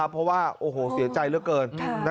เพราะว่าโอ้โหเสียใจเหลือเกิน